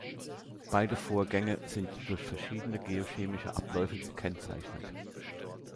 Beide Vorgänge sind durch verschiedene geochemische Abläufe gekennzeichnet.